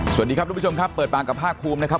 สวัสดีครับทุกผู้ชมครับเปิดปากกับภาคภูมินะครับ